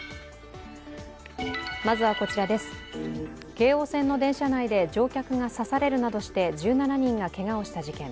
京王線の電車内で乗客が刺されるなどして１７人がけがをした事件。